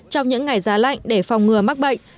trong những ngày giá lạnh để phòng ngừa mắc bệnh